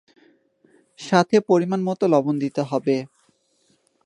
সাথে পরিমাণ মত লবণ দিতে হবে।